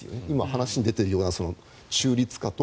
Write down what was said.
今、話に出ているような中立化